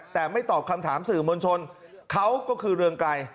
แต่ไม่ตอบคำถามสื่อมวลชนเขาก็คือเรืองไกร